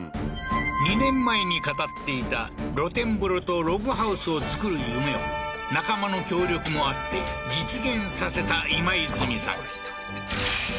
２年前に語っていた露天風呂とログハウスを造る夢を仲間の協力もあって実現させた今泉さん